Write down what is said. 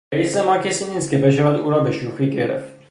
رییس ما کسی نیست که بشود او را به شوخی گرفت.